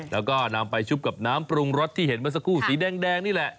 แล้วก็นำไปชุบกับน้ำปรุงรสที่เห็นเมื่อสักครู่สีแดงนี่แหละ